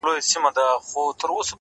دا راته مه وايه چي تا نه منم دى نه منم’